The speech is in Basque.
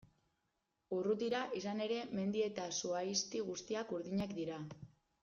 Urrutira, izan ere, mendi eta zuhaizti guztiak urdinak dira.